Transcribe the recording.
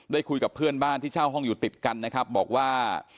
คุยกับเพื่อนบ้านที่เช่าห้องอยู่ติดกันนะครับบอกว่า